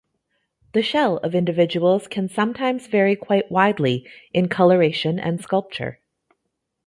The shell of individuals can sometimes vary quite widely in coloration and sculpture.